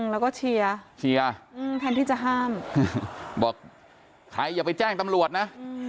แล้วก็เชียร์เชียร์แทนที่จะห้ามบอกใครอย่าไปแจ้งตำรวจนะ